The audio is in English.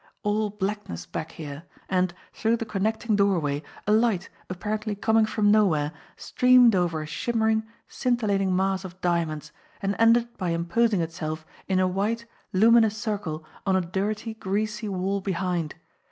All blackness back here and, through the connecting doorway, a light, apparently coming from nowhere, streamed over a shimmering, scintillating mass of diamonds, and ended by imposing itself in a white, lumin ous circle on a dirty, greasy wall behind!